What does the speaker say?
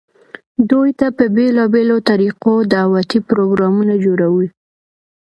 دوي ته په بيلابيلو طريقودعوتي پروګرامونه جوړووي،